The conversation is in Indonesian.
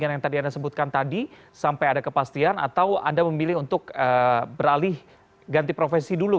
yang tadi anda sebutkan tadi sampai ada kepastian atau anda memilih untuk beralih ganti profesi dulu